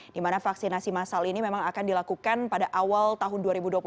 di mana vaksinasi massal ini memang akan dilakukan pada awal tahun dua ribu dua puluh satu